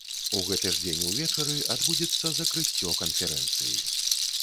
У гэты ж дзень увечары адбудзецца закрыццё канферэнцыі.